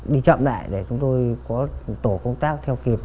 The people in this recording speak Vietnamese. đi chậm lại để chúng tôi có tổ công tác theo kịp